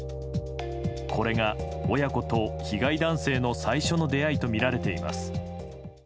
これが、親子と被害男性の最初の出会いとみられています。